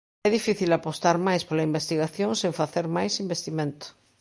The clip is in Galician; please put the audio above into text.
É difícil apostar máis pola investigación sen facer máis investimento.